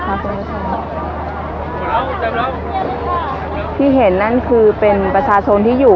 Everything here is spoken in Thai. เดี๋ยวขออนุญาตซึมเข้าไปนะคะที่เห็นนั่นคือเป็นประชาชนที่อยู่